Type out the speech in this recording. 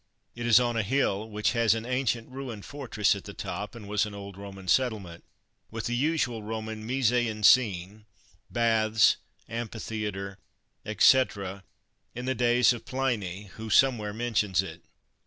It is on a hill, which has an ancient ruined fortress at the top, and was an old Roman settlement, with the usual Roman mise en scene, baths, amphitheatre, etc., in the days of Pliny, who somewhere mentions it.